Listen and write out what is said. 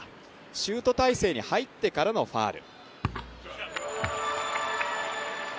シュート体勢に入ってからのファウル。